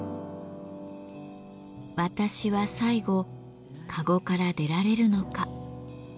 私は最後籠から出られるのか。